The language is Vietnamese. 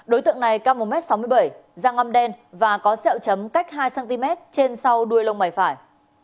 đối tượng này cao một m sáu mươi bảy răng ngâm đen và có sẹo chấm cách hai cm trên sau đuôi lông mày phải